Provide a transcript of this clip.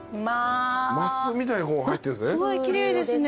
升みたいに入ってるんですね。